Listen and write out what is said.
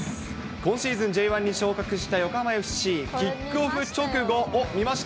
今シーズン、Ｊ１に昇格した横浜ＦＣ、キックオフ直後、見ました？